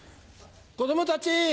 子供たち！